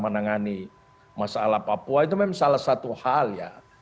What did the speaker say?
menangani masalah papua itu memang salah satu hal ya